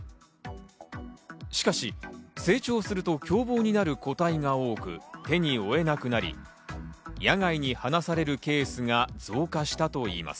しかし、成長すると凶暴になる個体が多く、手に負えなくなり、野外に放されるケースが増加したといいます。